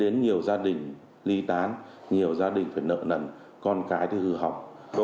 nhiều gia đình phải nợ nần con cái thì hư hỏng